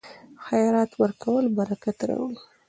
خیرات ورکول برکت راوړي.